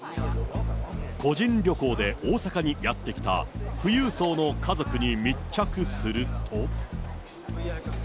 個人旅行で大阪にやって来た富裕層の家族に密着すると。